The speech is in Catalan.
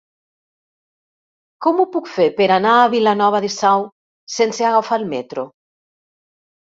Com ho puc fer per anar a Vilanova de Sau sense agafar el metro?